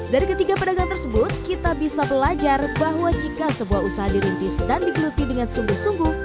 dari ketiga pedagang tersebut kita bisa belajar bahwa jika sebuah usaha dirintis dan digeluti dengan sungguh sungguh